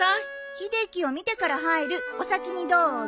秀樹を見てから入るお先にどうぞ